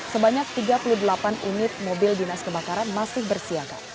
sebanyak tiga puluh delapan unit mobil dinas kebakaran masih bersiaga